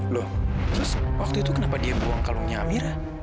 loh terus waktu itu kenapa dia buang kalungnya amira